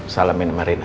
salamin sama reina ya